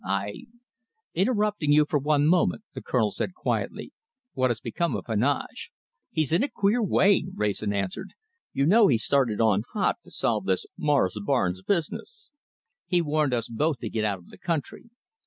I " "Interrupting you for one moment," the Colonel said quietly, "what has become of Heneage?" "He's in a very queer way," Wrayson answered. "You know he started on hot to solve this Morris Barnes business. He warned us both to get out of the country.